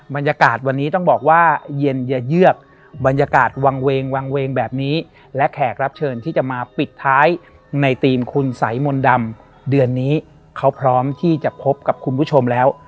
บรรยากาศวันนี้ต้องบอกว่าเย็นอย่าเยือกบรรยากาศวางเวงวางเวงแบบนี้และแขกรับเชิญที่จะมาปิดท้ายในทีมคุณสายมนต์ดำเดือนนี้เขาพร้อมที่จะพบกับคุณผู้ชมแล้ว